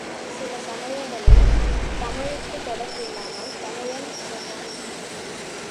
சில சமயங்களில் தமிழுக்குத் தொடர்பில்லாமல் தமிழன் வளர்வான்.